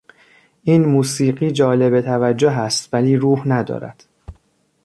این موسیقی جالب توجه است ولی روح ندارد.